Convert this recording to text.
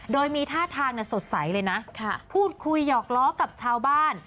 โดยมีท่าทางสดใสเลยนะพูดคุยหยอกล้อกับชาวบ้าน